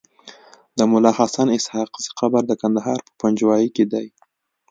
د ملاحسناسحاقزی قبر دکندهار په پنجوايي کیدی